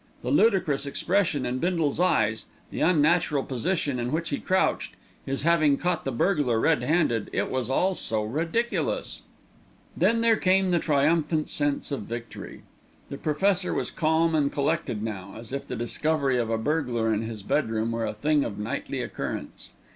The ludicrous expression in Bindle's eyes, the unnatural position in which he crouched, his having caught a burglar red handed it was all so ridiculous. Then there came the triumphant sense of victory. The Professor was calm and collected now, as if the discovery of a burglar in his bedroom were a thing of nightly occurrence.